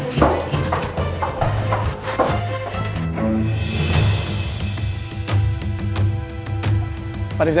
jangan lagi aja